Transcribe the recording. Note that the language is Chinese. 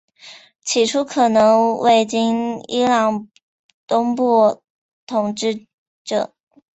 起初可能为今伊朗东部统治者。